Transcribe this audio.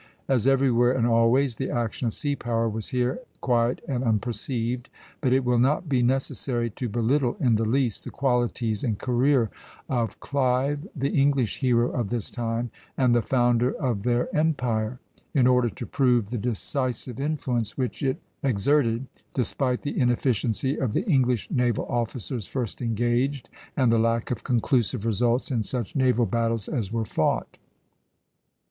As everywhere and always, the action of sea power was here quiet and unperceived; but it will not be necessary to belittle in the least the qualities and career of Clive the English hero of this time and the founder of their empire, in order to prove the decisive influence which it exerted, despite the inefficiency of the English naval officers first engaged, and the lack of conclusive results in such naval battles as were fought.